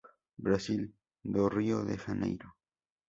Brasil do Rio de Janeiro".